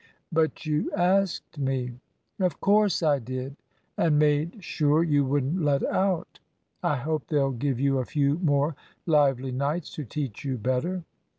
"But you asked me." "Of course I did, and made sure you wouldn't let out. I hope they'll give you a few more lively nights, to teach you better."